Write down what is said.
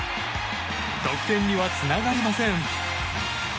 得点にはつながりません。